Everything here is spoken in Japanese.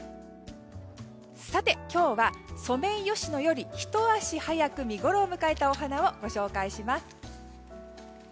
今日はソメイヨシノよりひと足早く見ごろを迎えたお花をご紹介します。